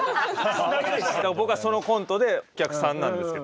僕はそのコントでお客さんなんですけど